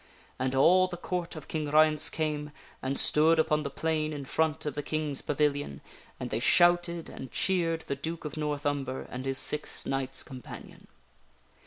And all the Court of King Ryence came, and stood upon the plain in front of the King's pavilion, and they shouted and cheered the Duke of North Umber and his six knights companion.